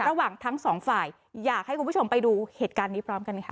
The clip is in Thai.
ระหว่างทั้งสองฝ่ายอยากให้คุณผู้ชมไปดูเหตุการณ์นี้พร้อมกันค่ะ